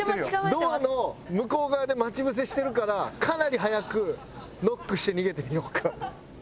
ドアの向こう側で待ち伏せしてるからかなり早くノックして逃げてみようか。